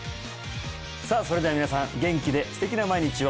さあそれでは皆さん元気で素敵な毎日を！